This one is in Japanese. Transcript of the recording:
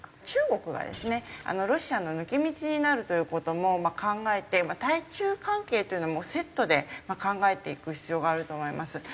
中国がですねロシアの抜け道になるという事も考えて対中関係というのはもうセットで考えていく必要があると思います。